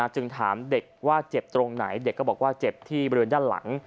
จึงถามเด็กว่าเจ็บตรงไหนเด็กก็บอกว่าเจ็บที่บริเวณด้านหลัง